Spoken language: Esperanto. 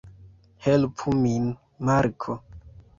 Helpu min, Marko!